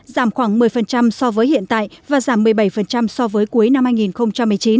giảm khoảng một mươi so với hiện tại và giảm một mươi bảy so với cuối năm hai nghìn một mươi chín